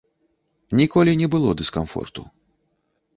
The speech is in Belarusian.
Ніколі не было дыскамфорту.